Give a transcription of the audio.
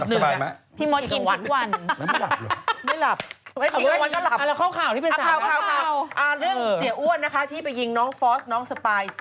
ใส่โซดาแม่นอันเป็นเปล่า